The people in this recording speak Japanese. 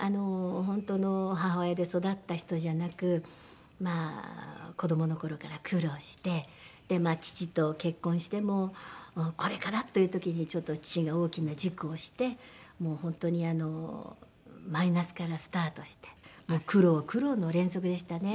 本当の母親で育った人じゃなく子どもの頃から苦労して父と結婚してもこれからという時にちょっと父が大きな事故をしてもう本当にマイナスからスタートして苦労苦労の連続でしたね。